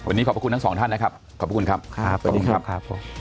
วันนี้ขอบคุณทั้งสองท่านนะครับขอบคุณครับขอบคุณครับ